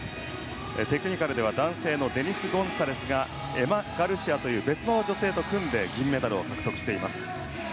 テクニカルでは男性のデニス・ゴンサレスがガルシアという別の女性と組んでメダルを獲得しています。